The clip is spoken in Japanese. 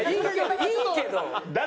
いいけど。